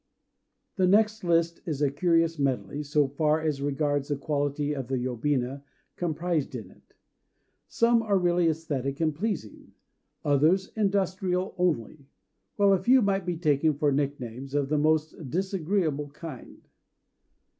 The next list is a curious medley, so far as regards the quality of the yobina comprised in it. Some are really æsthetic and pleasing; others industrial only; while a few might be taken for nicknames of the most disagreeable kind.